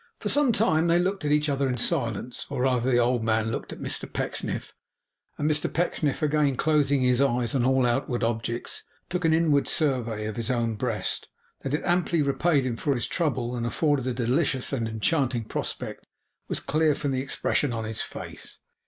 For some time they looked at each other in silence; or rather the old man looked at Mr Pecksniff, and Mr Pecksniff again closing his eyes on all outward objects, took an inward survey of his own breast. That it amply repaid him for his trouble, and afforded a delicious and enchanting prospect, was clear from the expression of his face.